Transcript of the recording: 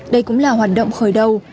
đây cũng là hoạt động khởi đầu